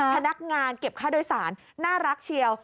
พนักงานเก็บค่าโดยสารน่ารักเชียว